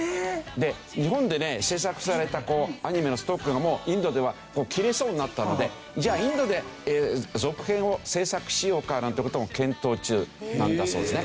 で日本でね制作されたアニメのストックがもうインドでは切れそうになったのでじゃあインドで続編を制作しようかなんて事も検討中なんだそうですね。